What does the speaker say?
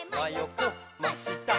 こっましたっ」